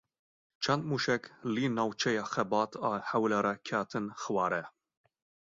Çend mûşek li navçeya Xebat a Hewlêrê ketin xwarê.